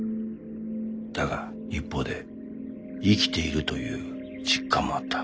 だが一方で生きているという実感もあった。